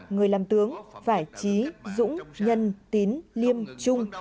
người làm tướng phải trí dũng nhân tín liêm trung